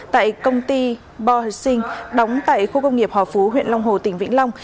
tại công ty bò hữu sinh đóng tại khu công nghiệp hòa phú huyện long hồ tỉnh vĩnh long